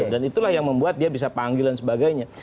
dan itulah yang membuat dia bisa panggil dan sebagainya